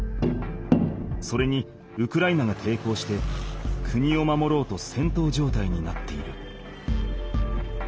それにウクライナがていこうして国を守ろうとせんとう状態になっている。